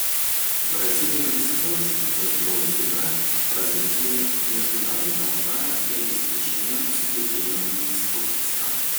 Бразилия высоко оценивает роль Суда в развитии международного права и обеспечении соблюдения принципов Устава.